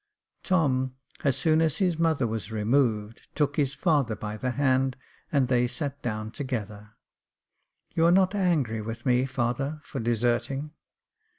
Tom, as soon as his mother was removed, took his father by the hand, and they sat down together. " You are not angry with me, father, for deserting